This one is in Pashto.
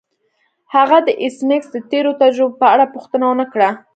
هغه د ایس میکس د تیرو تجربو په اړه پوښتنه ونه کړه